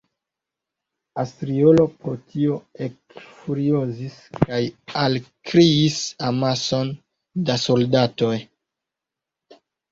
Astriolo pro tio ekfuriozis kaj alkriis amason da soldatoj.